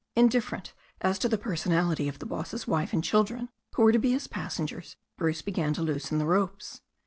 Indifferent as to the personality of the boss's wife and children, who were to be his passengers, Bruce began to loosen the ropes.